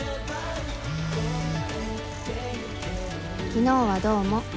「昨日はどうも。